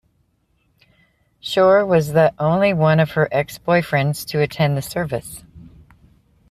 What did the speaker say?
Shore was the only one of her ex-boyfriends to attend the service.